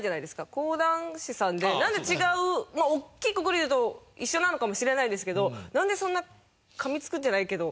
講談師さんでなんで違う大きいくくりで言うと一緒なのかもしれないですけどなんでそんな噛みつくじゃないけど。